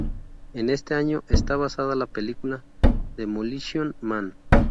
En este año está basada la película Demolition Man